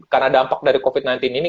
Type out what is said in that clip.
karena dampak dari covid sembilan belas ini